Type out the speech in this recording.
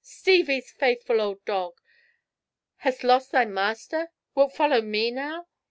Stevie's faithful old dog. Hast lost thy master? Wilt follow me now?"